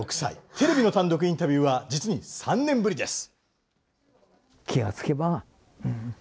テレビの単独インタビューは実に３年ぶりです。